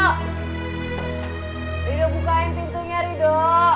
ridho bukain pintunya ridho